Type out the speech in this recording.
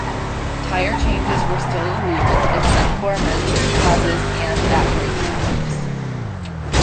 Tire changes were still illegal except for emergency causes and at break times.